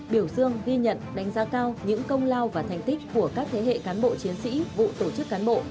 biểu dương ghi nhận đánh giá cao những công lao và thành tích của các thế hệ cán bộ chiến sĩ vụ tổ chức cán bộ